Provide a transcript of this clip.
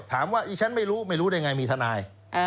ถามว่าฉันไม่รู้ไม่รู้ได้ยังไงมีทนาย